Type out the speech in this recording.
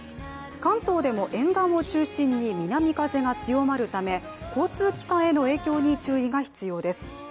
関東でも沿岸を中心に南風が強まるため交通機関への影響に注意が必要です。